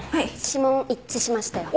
指紋一致しましたよ。